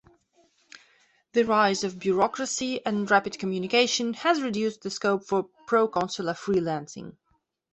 The rise of bureaucracy and rapid communication has reduced the scope for proconsular freelancing.